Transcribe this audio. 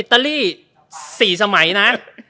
ตาลี๔สมัยนะ